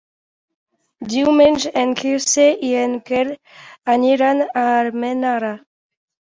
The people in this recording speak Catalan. Diumenge en Quirze i en Quel aniran a Almenara.